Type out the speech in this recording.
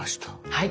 はい。